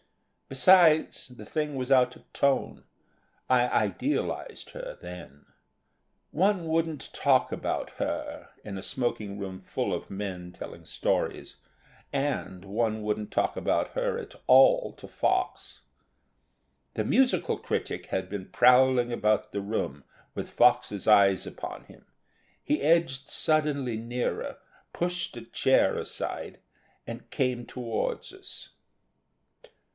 Besides, the thing was out of tone, I idealised her then. One wouldn't talk about her in a smoking room full of men telling stories, and one wouldn't talk about her at all to Fox. The musical critic had been prowling about the room with Fox's eyes upon him. He edged suddenly nearer, pushed a chair aside, and came toward us.